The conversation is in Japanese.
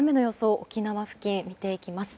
沖縄付近、見ていきます。